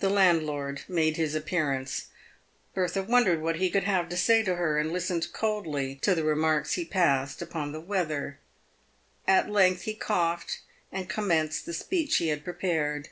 The landlord made his appearance. Bertha wondered what he could have to say to her, and listened coldly to the remarks lie passed upon the weather. At length he coughed and commenced the speech he had prepared.